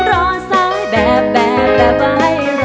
รอซ้ายแบบแบบแบบไม่รอ